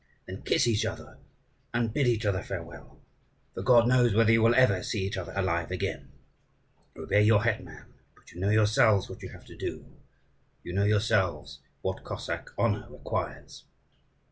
"Then kiss each other, and bid each other farewell; for God knows whether you will ever see each other alive again. Obey your hetman, but you know yourselves what you have to do: you know yourselves what Cossack honour requires."